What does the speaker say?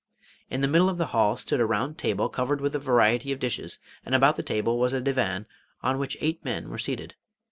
In the middle of the hall stood a round table covered with a variety of dishes, and about the table was a divan on which eight men were seated.